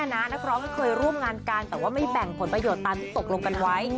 นักร้องไม่เคยร่วมงานกันแต่ว่าไม่แบ่งผลประโยชน์ตามที่ตกลงกันไว้